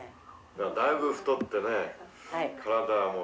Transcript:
だいぶ太ってね体も。